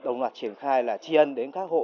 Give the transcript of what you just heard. đồng loạt triển khai là tri ân đến các hộ